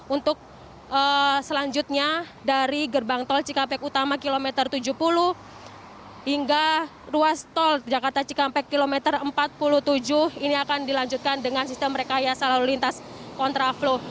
untuk selanjutnya dari gerbang tol cikampek utama kilometer tujuh puluh hingga ruas tol jakarta cikampek kilometer empat puluh tujuh ini akan dilanjutkan dengan sistem rekayasa lalu lintas kontra flow